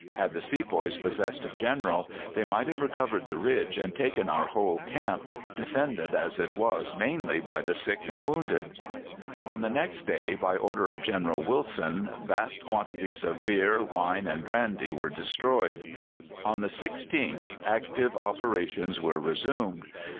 Had the sepoys possessed a General, they might have recovered the ridge, and taken our whole camp, defended as it was mainly by the sick and wounded. On the next day, by order of General Wilson, vast quantities of beer, wine, and brandy were destroyed. On the 16th active operations were resumed.